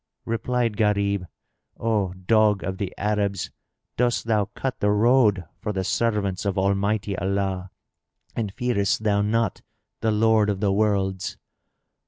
Replied Gharib, "O dog of the Arabs, dost thou cut the road for the servants of Almighty Allah, and fearest thou not the Lord of the Worlds?"